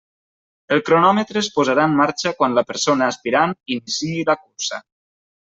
El cronòmetre es posarà en marxa quan la persona aspirant iniciï la cursa.